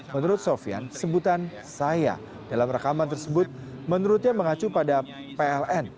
menurut sofian sebutan saya dalam rekaman tersebut menurutnya mengacu pada pln